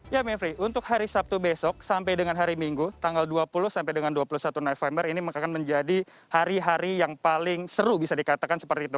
ya mevri untuk hari sabtu besok sampai dengan hari minggu tanggal dua puluh sampai dengan dua puluh satu november ini akan menjadi hari hari yang paling seru bisa dikatakan seperti itu